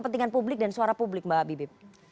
kepentingan publik dan suara publik mbak bibip